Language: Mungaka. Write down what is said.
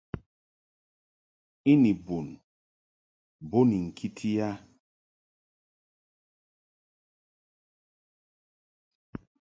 I ni bun bo ni ŋkiti i a.